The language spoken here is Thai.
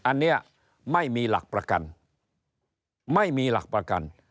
อันนี้ไม่มีหลักประกัน